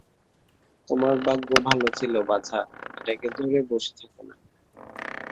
তোমার ভাগ্য ভালো ছিল, বাছা, এটাকে ধরে বসে থেকো না।